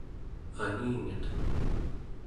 aningiq